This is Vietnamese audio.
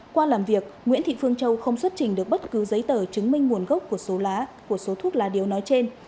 qua làm việc nguyễn thị phương châu không xuất trình được bất cứ giấy tờ chứng minh nguồn gốc của số thuốc lá điếu nói trên